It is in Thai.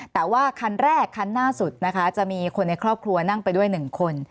แต่ว่าคันแรกคันหน้าสุดนะคะจะมีคนในครอบครัวนั่งไปด้วย๑คน